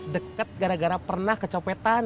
deket gara gara pernah kecopetan